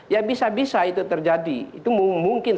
ya bisa bisa itu terjadi itu mungkin